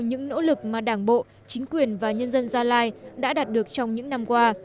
những nỗ lực mà đảng bộ chính quyền và nhân dân gia lai đã đạt được trong những năm qua